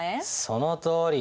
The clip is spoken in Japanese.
そのとおり。